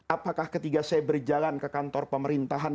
apakah ketika saya berjalan ke kantor pemerintahan